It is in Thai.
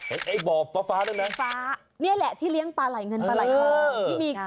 เห็นไอ้บ่อฟ้านั่นนะฟ้าเนี่ยแหละที่เลี้ยงปลาไหลเงินปลาไหลทอง